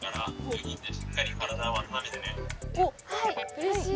うれしい。